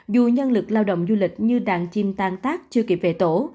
dù nhân lực lao động du lịch như đàn chim tàn tác chưa kịp về tổ